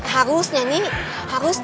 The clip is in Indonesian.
harus nyanyi harus